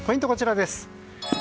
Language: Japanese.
ポイント、こちらです。